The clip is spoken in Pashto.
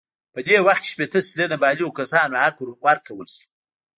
په دې وخت کې شپیته سلنه بالغو کسانو حق ورکړل شو.